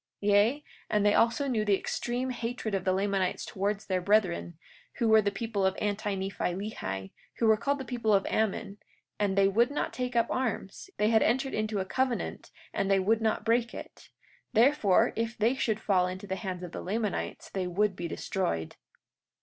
43:11 Yea, and they also knew the extreme hatred of the Lamanites towards their brethren, who were the people of Anti Nephi Lehi, who were called the people of Ammon—and they would not take up arms, yea, they had entered into a covenant and they would not break it—therefore, if they should fall into the hands of the Lamanites they would be destroyed.